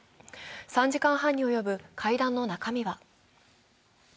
３時間半に及ぶ会談の中身は。